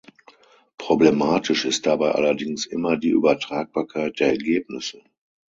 Problematisch ist dabei allerdings immer die Übertragbarkeit der Ergebnisse.